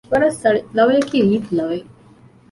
ވަރަށް ސަޅި ލަވަޔަކީ ރީތި ލަވައެއް